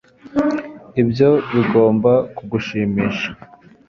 Ibyo bigomba kugushimisha